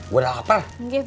gua udah lapar